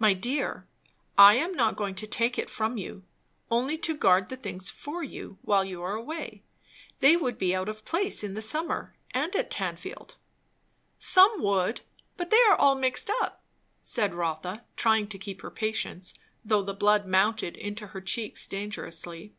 "My dear, I am not going to take it from you; only to guard the things for you while you are away. They would be out of place in the summer and at Tanfield." "Some would; but they are all mixed up," said Rotha, trying to keep her patience, though the blood mounted into her cheeks dangerously.